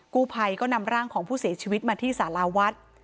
กู้ภัยก็นำร่างของผู้เสียชีวิตมาที่สาราวัด